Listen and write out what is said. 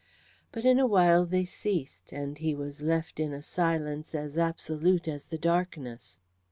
But in a while they ceased, and he was left in a silence as absolute as the darkness.